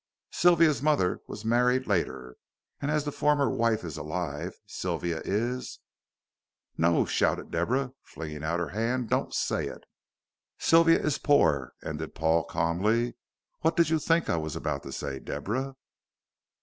"Sylvia's mother was married later, and as the former wife is alive Sylvia is " "No," shouted Deborah, flinging out her hand, "don't say it." "Sylvia is poor," ended Paul, calmly. "What did you think I was about to say, Deborah?"